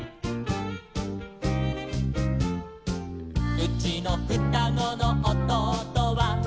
「うちのふたごのおとうとは」